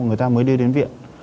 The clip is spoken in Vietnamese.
người ta mới đi đến viện